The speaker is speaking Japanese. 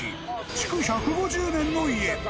築１５０年の家。